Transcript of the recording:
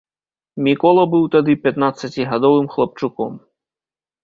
Мікола быў тады пятнаццацігадовым хлапчуком.